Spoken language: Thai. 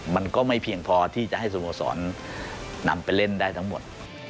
มันก็ไม่เพียงพอที่จะให้สโมสรนำไปเล่นได้ทั้งหมด